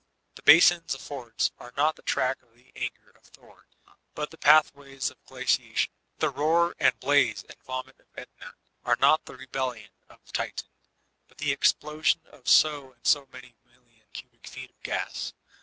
The basins of fjords are not the track of the anger of Thor, but the pathways of gladation. The roar and blase and vomit of Etna, are not the rebellion of the Titan, but the explosion of so and so many million cubic feel of gas.